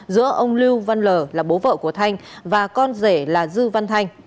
giữa ông lưu văn lờ là bố vợ của thanh và con rể là dư văn thanh